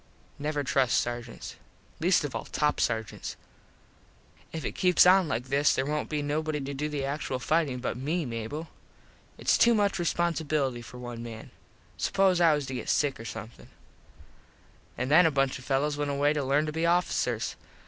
Never trust sargents. Least of all top sargents. If it keeps on like this there wont be nobody to do the actual fightin but me, Mable. Its too much responsibilety for one man. Suppose I was to get sick or somethin. An then a bunch of fellos went away to lern to be officers.